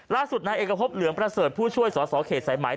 ล่าสุดนายเอกพบเหลืองประเสริฐผู้ช่วยสอสอเขตสายไหม